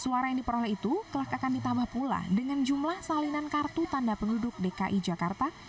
suara yang diperoleh itu kelak akan ditambah pula dengan jumlah salinan kartu tanda penduduk dki jakarta